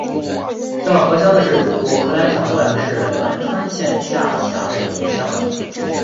叫河乡是中国河南省洛阳市栾川县下辖的一个乡。